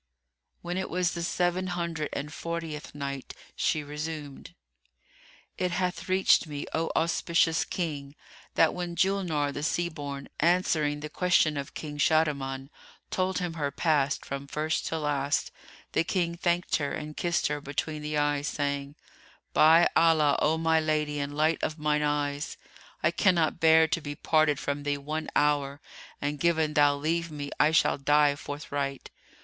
When it was the Seven Hundred and Fortieth Night, She resumed, It hath reached me, O auspicious King, that when Julnar[FN#310] the Sea born, answering the question of King Shahriman, told him her past from first to last, the King thanked her and kissed her between the eyes, saying, "By Allah, O my lady and light of mine eyes, I cannot bear to be parted from thee one hour; and given thou leave me, I shall die forthright.